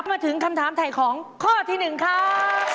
มาถึงคำถามถ่ายของข้อที่๑ครับ